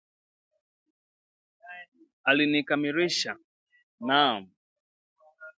Alinikamilikisha! Naam